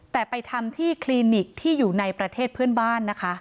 แต่ไปทำที่คลินิกที่อยู่ในประเทศเพื่อนบ้านนะคะ